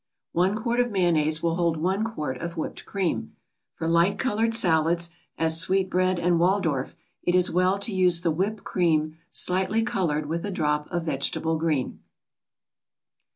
One quart of mayonnaise will hold one quart of whipped cream. For light colored salads, as sweetbread and Waldorf, it is well to use the whipped cream slightly colored with a drop of vegetable green.